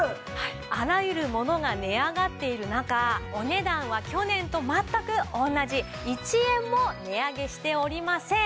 あらゆるものが値上がっている中お値段は去年と全く同じ１円も値上げしておりません。